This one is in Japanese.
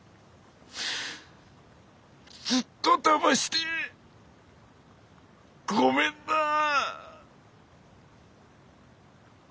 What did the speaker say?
ずっとだましてごめんなぁ！